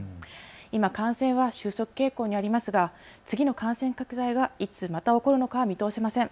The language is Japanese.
今、感染は収束傾向にありますが次の感染拡大がいつ起こるのかは見通せません。